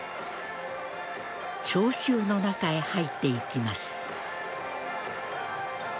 聴衆の中へ入っていきます。